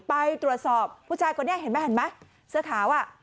ไปตรวจสอบผู้ชายคนนี้เห็นไหมเห็นไหมเสื้อขาวอ่ะ